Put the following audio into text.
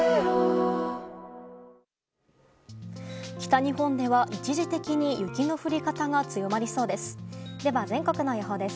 日本では一時的に雪の降り方が強まりそうです。